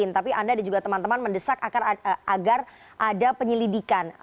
tapi anda dan juga teman teman mendesak agar ada penyelidikan